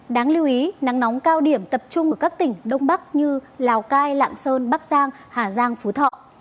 đáng lưu ý nắng nóng cao điểm tập trung ở các tỉnh đông bắc như lào cai lạng sơn bắc giang hà giang phú thọ